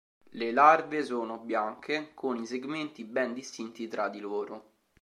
Le larve sono bianche con i segmenti ben distinti tra di loro.